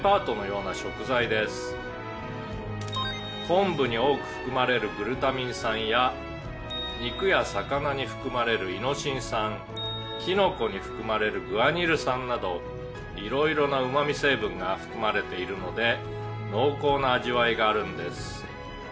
「昆布に多く含まれるグルタミン酸や肉や魚に含まれるイノシン酸キノコに含まれるグアニル酸など色々なうまみ成分が含まれているので濃厚な味わいがあるんです」